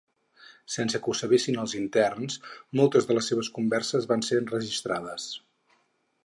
Sense que ho sabessin els interns, moltes de les seves converses van ser enregistrades.